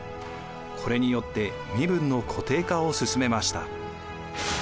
これによって身分の固定化を進めました。